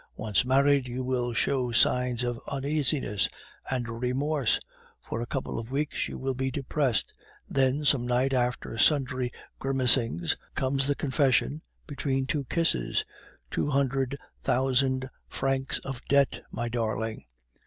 Once married, you will show signs of uneasiness and remorse; for a couple of weeks you will be depressed. Then, some night after sundry grimacings, comes the confession, between two kisses, 'Two hundred thousand francs of debts, my darling!